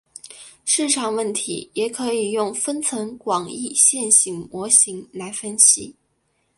市场问题也可以用分层广义线性模型来分析。